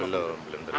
belum belum terima